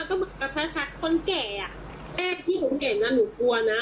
ก็เหมือนแบบถ้าทักคนแก่อ่ะแรกที่ผมเห็นอ่ะหนูกลัวน่ะ